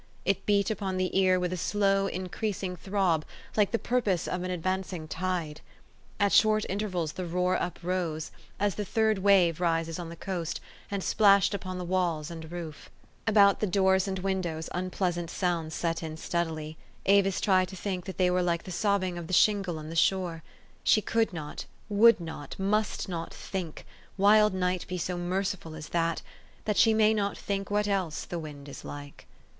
It beat upon the ear with a slow, increasing throb, like the purpose of an advancing tide. At short intervals the roar uprose, as the u third wave" rises on the coast, and splashed upon the walls and roof. About the doors and windows unpleasant sounds set in steadily : Avis tried to think that they THE STORY OF AVIS. 381 were like the sobbing of the shingle on the shore. She could not, would not, must not, think wild night, be so merciful as that! that she may not think what else the wind is like.